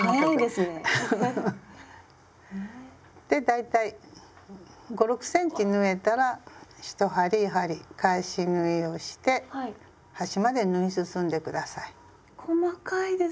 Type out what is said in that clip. で大体５６ｃｍ縫えたら１針やはり返し縫いをして端まで縫い進んでください。